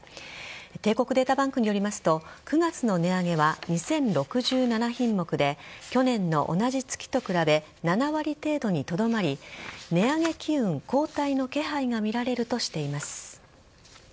帝国データバンクによりますと９月の値上げは２０６７品目で去年の同じ月と比べ７割程度にとどまり値上げ機運後退の気配が見られるとしています。